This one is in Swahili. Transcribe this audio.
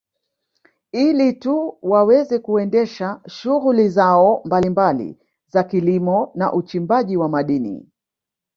Ili tu waweze kuendesha shughuli zao mbalimbali za kilimo na uchimbaji wa madini